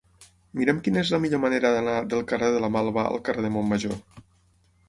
Mira'm quina és la millor manera d'anar del carrer de la Malva al carrer de Montmajor.